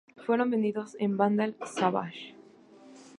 Fueron vendidos a Vandal Savage.